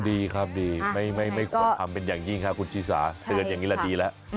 ดีครับดีไม่ควรทำเป็นอย่างยิ่งครับคุณชิสาเตือนอย่างนี้แหละดีแล้ว